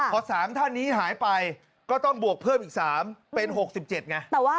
พอ๓ท่านนี้หายไปก็ต้องบวกเพิ่มอีก๓เป็น๖๗ไง